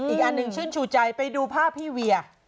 อีกอันหนึ่งชื่นชูใจไปดูภาพพี่เวีย